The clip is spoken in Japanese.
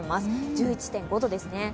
１１．５度です。